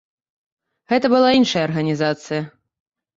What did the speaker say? Гэта была іншая арганізацыя.